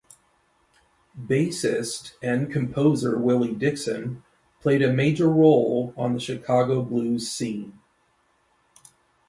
Bassist and composer Willie Dixon played a major role on the Chicago blues scene.